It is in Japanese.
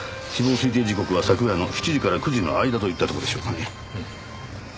死亡推定時刻は昨夜の７時から９時の間といったとこでしょうかね。